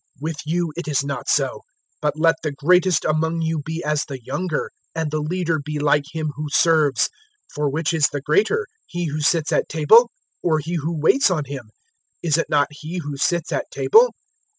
022:026 With you it is not so; but let the greatest among you be as the younger, and the leader be like him who serves. 022:027 For which is the greater he who sits at table, or he who waits on him? Is it not he who sits at table?